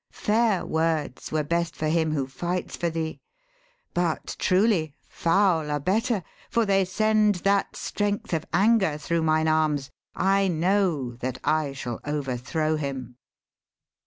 Fair words were best for him who fights for thee ; But truly foul are better, for they send That strength of anger thro' mine arms, I know That I shall overthrow him.'